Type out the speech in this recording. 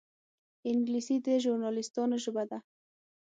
انګلیسي د ژورنالېستانو ژبه ده